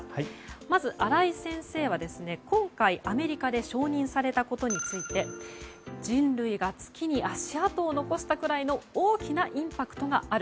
まず、新井先生は今回、アメリカで承認されたことについて人類が月に足跡を残したくらいの大きなインパクトがある。